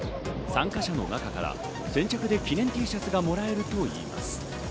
参加者の中から先着で記念Ｔシャツがもらえるといいます。